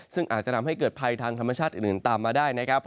ซึ่งอาจจะทำให้เกิดภัยทางธรรมชาติอื่นตามมาได้นะครับ